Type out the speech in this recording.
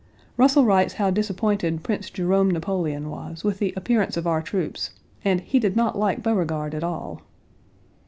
Russell writes how disappointed Prince Jerome Napoleon was with the appearance of our troops, and "he did not like Beauregard at all."